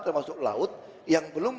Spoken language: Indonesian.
termasuk laut yang belum